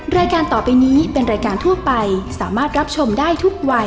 รายการต่อไปนี้เป็นรายการทั่วไปสามารถรับชมได้ทุกวัย